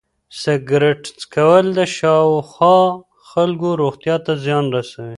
سګرټ څکول د شاوخوا خلکو روغتیا ته زیان رسوي.